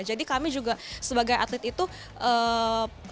jadi kami juga sebagai atlet itu latihannya dengan enjin catur begitu